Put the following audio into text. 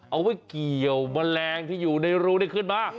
เอาไว้เกี่ยวแมลงที่อยู่ในรูนี่ขึ้นมา